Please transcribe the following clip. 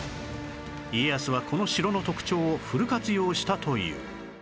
家康はこの城の特徴をフル活用したという